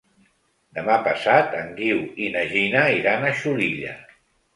Demà passat en Guiu i na Gina iran a Xulilla.